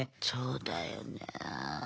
そうだよね。